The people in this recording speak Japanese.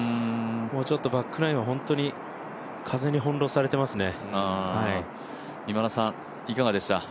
ちょっとバックナインは本当に風に翻弄されていますね。